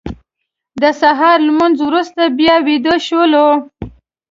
د سهار لمونځ وروسته بیا ویده شولو.